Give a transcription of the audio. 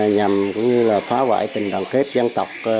nhằm cũng như là phá hoại tình độ